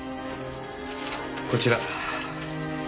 こちら。